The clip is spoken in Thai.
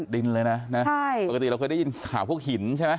ดินเลยนะใช่ปกติเราเคยได้ยินข่าวพวกหินใช่ไหม